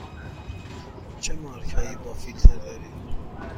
چه مارک هایی با فیلتر دارید؟